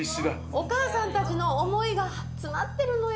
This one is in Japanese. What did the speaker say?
お母さんたちの思いが詰まってるのよ。